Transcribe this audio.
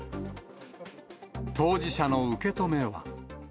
当事者の受け止めは。